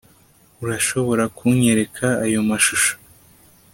urashobora kunyereka ayo mashusho